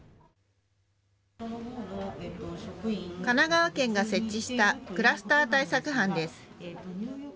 神奈川県が設置したクラスター対策班です。